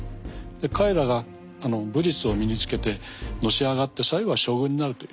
彼らが武術を身につけてのし上がって最後は将軍になるという。